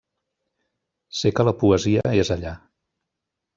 Sé que la poesia és allà.